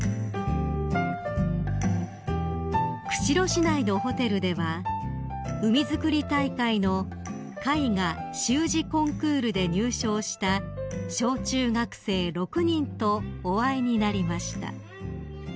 ［釧路市内のホテルでは海づくり大会の絵画・習字コンクールで入賞した小中学生６人とお会いになりました］